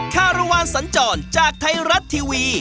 คารวาลสัญจรจากไทยรัฐทีวี